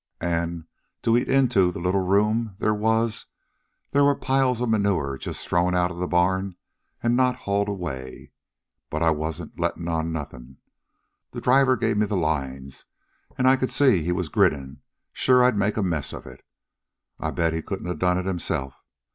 An', to eat into the little room there was, there was piles of manure just thrown outa the barn an' not hauled away yet. But I wasn't lettin' on nothin'. The driver gave me the lines, an' I could see he was grinnin', sure I'd make a mess of it. I bet he couldn't a done it himself.